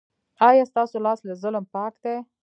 ایا ستاسو لاس له ظلم پاک دی؟